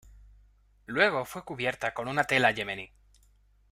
Luego fue cubierta con una tela yemení.